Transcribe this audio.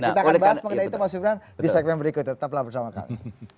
kita akan bahas mengenai itu mas gibran di segmen berikutnya tetaplah bersama kami